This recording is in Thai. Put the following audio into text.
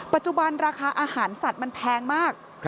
ปัจจุบันราคาอาหารสัตว์มันแพงมาก